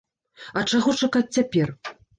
А чаго чакаць цяпер?